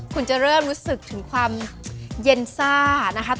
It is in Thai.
คุณจะเริ่มรู้สึกถึงความเย็นซ่านะคะ